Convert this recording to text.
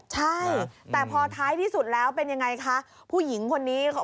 ใช่แต่พอท้ายที่สุดแล้วเป็นยังไงคะ